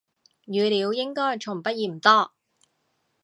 語料應該從不嫌多